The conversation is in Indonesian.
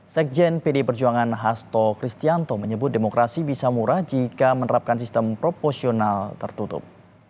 sekjen pd perjuangan hasto kristianto menyebut demokrasi bisa murah jika menerapkan sistem proporsional tertutup